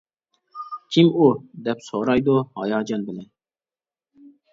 كىم ئۇ؟ -دەپ سورايدۇ، ھاياجان بىلەن.